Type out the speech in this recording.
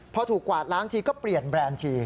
พอถูกกวาดล้างทีก็เปลี่ยนแบรนด์ที